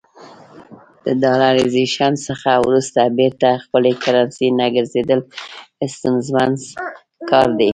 د ډالرایزیشن څخه وروسته بیرته خپلې کرنسۍ ته ګرځېدل ستونزمن کار دی.